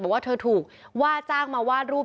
บอกว่าเธอถูกว่าจ้างมาวาดรูป